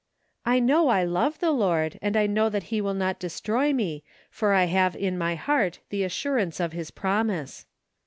I know I love the Lord, and I know that he will not destroy me, for I have in my heart the assurance of His promise.